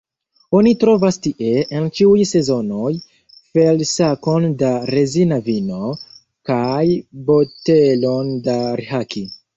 Oni trovas tie, en ĉiuj sezonoj, felsakon da rezina vino, kaj botelon da rhaki.